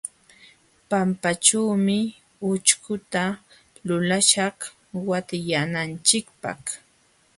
Pampaćhuumi ućhkuta lulaśhaq watyananchikpaq.